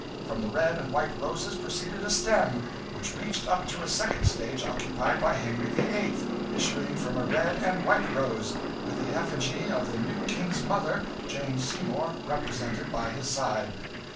From the red and white roses proceeded a stem, which reached up to a second stage, occupied by Henry VIII., issuing from a red and white rose, with the effigy of the new King's mother, Jane Seymour, represented by his side.